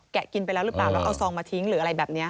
กินไปแล้วหรือเปล่าแล้วเอาซองมาทิ้งหรืออะไรแบบนี้